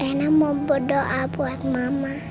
akhirnya mau berdoa buat mama